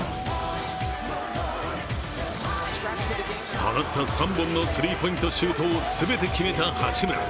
放った３本のスリーポイントを全て決めた八村。